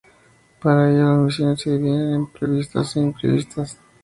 Para ellos las misiones se dividen en previstas e imprevistas.